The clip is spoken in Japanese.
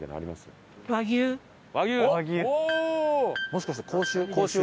もしかして甲州。